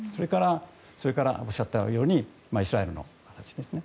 それから、おっしゃったようにイスラエルの話ですね。